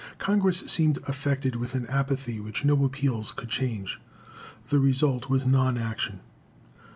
Congress seemed affected with an apathy which no appeals could change. The result was non action.